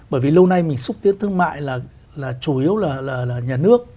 bởi vì lâu nay mình xúc tiến thương mại là chủ yếu là nhà nước